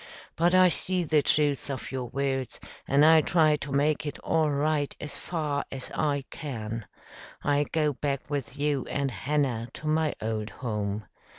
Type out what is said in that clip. But I see the truth of your words, and I'll try to make it all right as far as I can. I'll go back with you and Hannah to my old home.